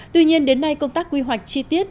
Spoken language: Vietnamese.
tuy nhiên đến nay công tác quy hoạch chi tiết